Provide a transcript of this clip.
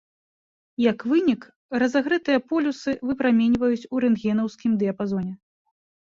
Як вынік, разагрэтыя полюсы выпраменьваюць у рэнтгенаўскім дыяпазоне.